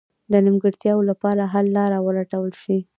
د نیمګړتیاوو لپاره حل لاره ولټول شي.